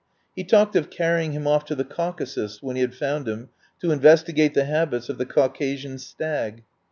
He talked of carry ing him off to the Caucasus when he had found him, to investigate the habits of the Caucasian stag.